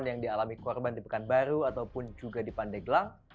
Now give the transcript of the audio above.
yang di alami korban di pekanbaru atau di pandegla